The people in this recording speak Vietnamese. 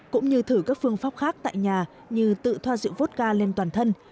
cũng như thử các phương pháp khác tại nhà như tự thoa dự vốt ca lên toàn thân